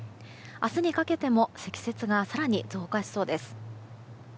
明日にかけても積雪が更に増加しそうです。